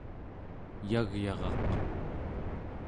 eyagyaraq